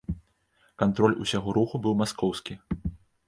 Кантроль усяго руху быў маскоўскі!